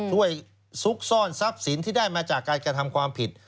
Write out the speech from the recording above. ซุกซ่อนทรัพย์สินที่ได้มาจากการกระทำความผิด